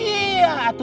jihan juga kita ajak